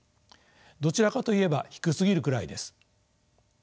どちらかといえば低すぎるくらいです。